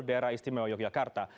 daerah istimewa yogyakarta